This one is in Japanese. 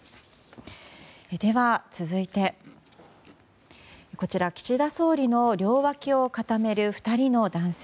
続いて岸田総理の両脇を固める２人の男性。